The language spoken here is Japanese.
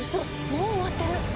もう終わってる！